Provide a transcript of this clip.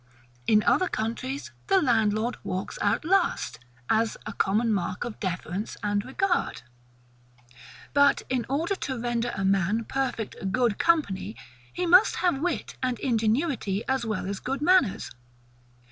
In other countries, the landlord walks out last, as a common mark of deference and regard. But, in order to render a man perfect GOOD COMPANY, he must have Wit and Ingenuity as well as good manners.